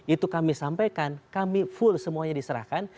itu kami sampaikan kami full semuanya diserahkan